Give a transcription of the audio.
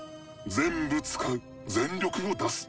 全部使う全力を出す。